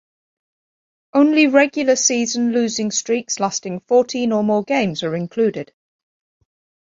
Only regular season losing streaks lasting fourteen or more games are included.